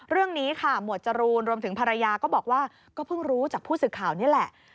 เรื่องนี้ค่ะหมวดจรูนรวมถึงภรรยาก็บอกว่าก็เพิ่งรู้จากผู้สื่อข่าวนี่แหละ